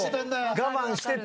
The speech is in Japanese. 我慢してて。